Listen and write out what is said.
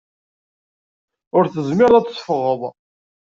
Ur tezmireḍ ad teffɣeḍ.